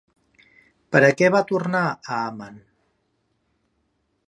Per a què va tornar a Amman?